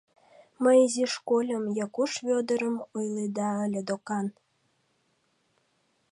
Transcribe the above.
— Мый изиш кольым, Якуш Вӧдырым ойледа ыле докан.